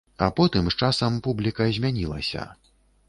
А потым з часам публіка змянілася.